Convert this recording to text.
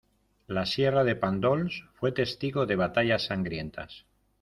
La sierra de Pàndols fue testigo de batallas sangrientas.